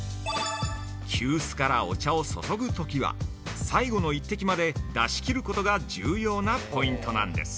◆急須からお茶を注ぐときは最後の一滴まで出し切ることが重要なポイントなんです。